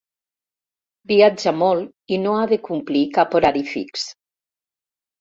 Viatja molt i no ha de complir cap horari fix.